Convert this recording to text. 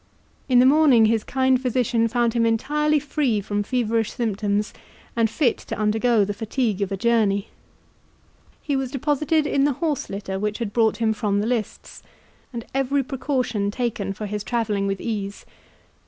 In the morning his kind physician found him entirely free from feverish symptoms, and fit to undergo the fatigue of a journey. He was deposited in the horse litter which had brought him from the lists, and every precaution taken for his travelling with ease.